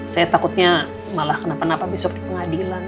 saya takutnya malah kenapa napa besok di pengadilan